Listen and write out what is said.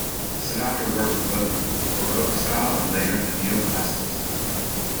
Sinatra worked in both the Baroque style and later in Neo-Classical style.